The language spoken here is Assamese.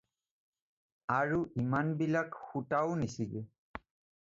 আৰু ইমান বিলাক সূতাও নিছিগে